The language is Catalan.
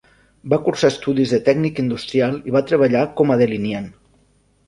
Va cursar estudis de tècnic industrial i va treballar com a delineant.